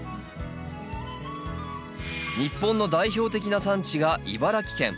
日本の代表的な産地が茨城県。